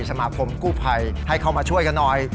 สมาคมกู้ภัยให้เข้ามาช่วยกันหน่อย